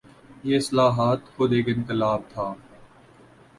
یہ اصلاحات خود ایک انقلاب تھا۔